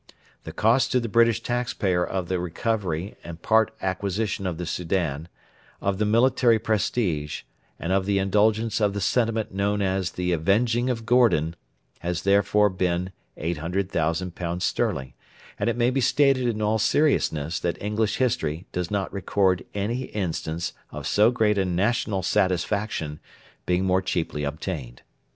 The cost to the British taxpayer of the recovery and part acquisition of the Soudan, of the military prestige, and of the indulgence of the sentiment known as 'the avenging of Gordon' has therefore been £800,000; and it may be stated in all seriousness that English history does not record any instance of so great a national satisfaction being more cheaply obtained.